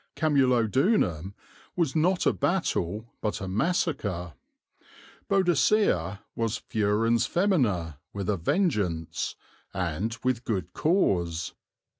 Camulodunum was not a battle but a massacre; Boadicea was furens femina with a vengeance, and with good cause.